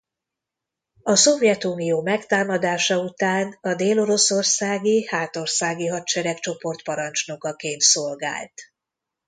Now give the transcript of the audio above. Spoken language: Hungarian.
A Szovjetunió megtámadása után a dél-oroszországi hátországi hadseregcsoport parancsnokaként szolgált.